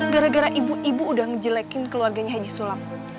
gara gara ibu ibu udah ngejelekin keluarganya haji sulam